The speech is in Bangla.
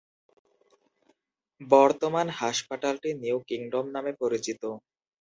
বর্তমান হাসপাতালটি "নিউ কিংডম" নামে পরিচিত।